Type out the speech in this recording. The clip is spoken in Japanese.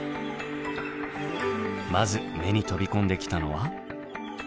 まず目に飛び込んできたのは。